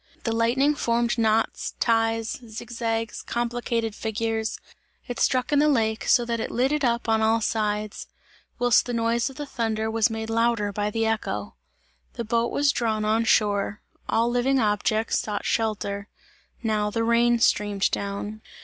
The lightning formed knots, ties, zigzags, complicated figures; it struck in the lake, so that it lit it up on all sides; whilst the noise of the thunder was made louder by the echo. The boat was drawn on shore; all living objects sought shelter. Now the rain streamed down.